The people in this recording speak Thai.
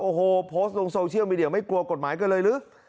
โอ้โหโพสต์ลงโซเชียลมีเดียไม่กลัวกฎหมายกันเลยหรือ